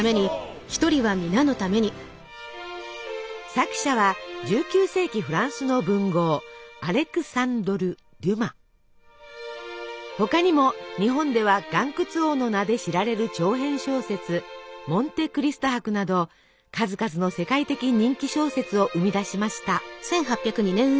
作者は１９世紀フランスの文豪他にも日本では「巌窟王」の名で知られる長編小説「モンテ・クリスト伯」など数々の世界的人気小説を生み出しました。